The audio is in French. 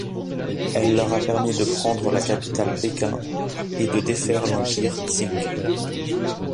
Elle leur a permis de prendre la capitale Pékin et de défaire l'Empire Qing.